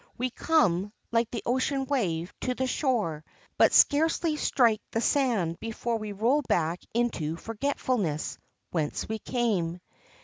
We come, like the ocean wave, to the shore, but scarcely strike the strand before we roll back into forgetfulness, whence we came.